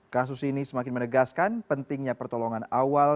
kasus ini semakin menegaskan pentingnya pertolongan awal